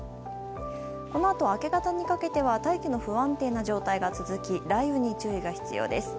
このあと明け方にかけては大気の不安定な状態が続き雷雨に注意が必要です。